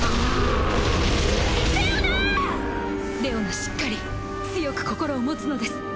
しっかり強く心を持つのです。